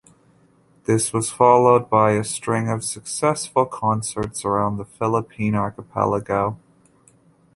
This was followed by a string of successful concerts around the Philippine archipelago.